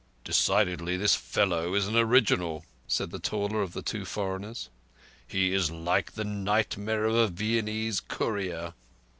"Decidedly this fellow is an original," said the taller of the two foreigners. "He is like the nightmare of a Viennese courier."